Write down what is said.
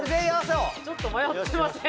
・ちょっと迷ってません？